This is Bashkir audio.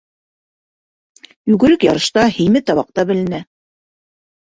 Йүгерек ярышта, һимеҙ табаҡта беленә.